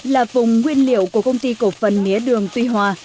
là vùng nguyên liệu của công ty cổ phần mía đường tuy hòa